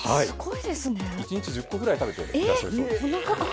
１日１０ぐらい食べていらっしゃるそうです。